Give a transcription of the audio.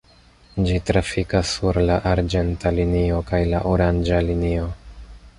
Ĝi trafikas sur la arĝenta linio kaj la oranĝa linio.